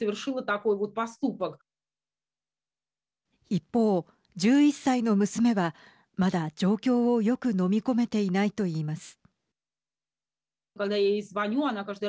一方、１１歳の娘はまだ状況を、よくのみ込めていないといいます。